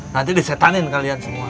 nanti disetanin kalian semua